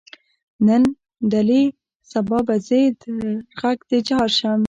نن دلې سبا به ځې تر غږ دې جار شم.